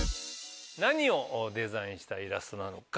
何をデザインしたイラストなのか。